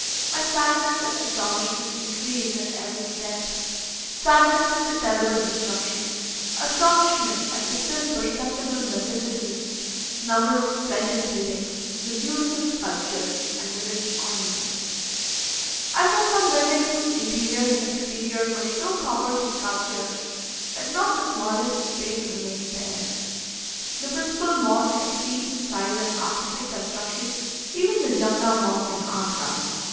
My sadness and astonishment increased at every step sadness at the terrible destruction, astonishment at the still perceptible magnificence, the number of splendid buildings, the beautiful sculptures, and the rich ornaments. I saw some buildings whose interior and exterior were so covered with sculptures, that not the smallest space remained bare. The principal mosque exceeds in size and artistic construction even the Jumna Mosque in Agra.